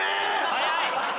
早い！